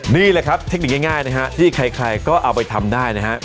นี่แหละครับเทคนิคง่ายนะฮะที่ใครก็เอาไปทำได้นะครับ